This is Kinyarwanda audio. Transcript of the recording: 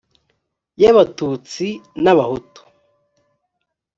y abatutsi n abahutu